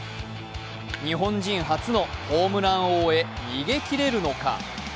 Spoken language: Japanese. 日本人初のホームラン王へ逃げ切れるのか。